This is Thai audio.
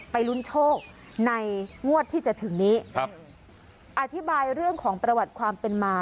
ลุ้นโชคในงวดที่จะถึงนี้ครับอธิบายเรื่องของประวัติความเป็นมา